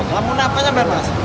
melamun apa sampai mas